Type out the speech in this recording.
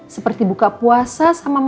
seperti buka puasa sama mama papanya